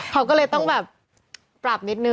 เขาก็เลยต้องแบบปรับนิดนึง